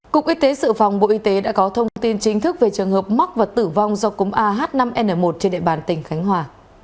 cục y tế sự phòng bộ y tế đã có thông tin chính thức về trường hợp mắc và tử vong do cúm ah năm n một trên địa bàn tỉnh khánh hòa